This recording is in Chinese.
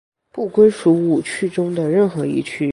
不归属五趣中的任何一趣。